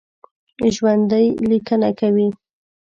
ژوندي لیکنه کوي